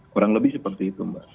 kurang lebih seperti itu mbak